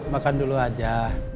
makan dulu aja